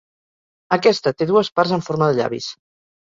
Aquesta té dues parts en forma de llavis.